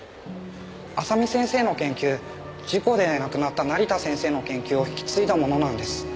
麻美先生の研究事故で亡くなった成田先生の研究を引き継いだものなんです。